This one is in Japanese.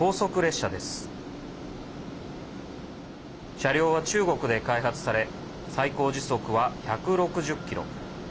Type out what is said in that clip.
車両は中国で開発され最高時速は１６０キロ。